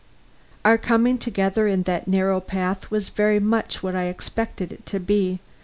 Our coming together in that narrow path was very much what I expected it to be.